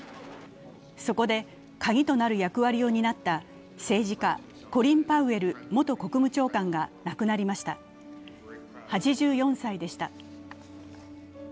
そこで、鍵となる役割を担った政治家、コリン・パウエル元国務長官が亡くなりました、８４歳でした。